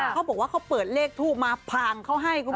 เขาบอกว่าเขาเปิดเลขทูปมาพังเขาให้คุณผู้ชม